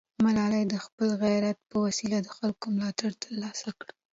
ملالۍ د خپل غیرت په وسیله د خلکو ملاتړ ترلاسه کړ.